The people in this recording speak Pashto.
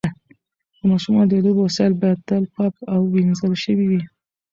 د ماشومانو د لوبو وسایل باید تل پاک او وینځل شوي وي.